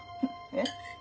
えっ？